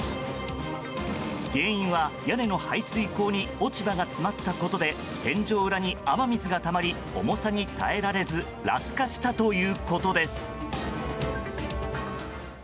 原因は屋根の排水溝に落ち葉が詰まったことで天井裏に雨水がたまり重さに耐えられず落下したということです。